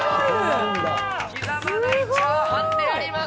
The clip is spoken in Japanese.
刻まないチャーハンであります。